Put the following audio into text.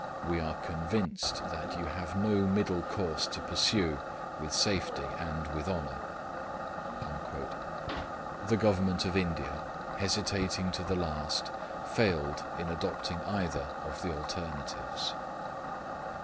We are convinced that you have no middle course to pursue with safety and with, honour.' The Government of India, hesitating to the last, failed in adopting either of the alternatives.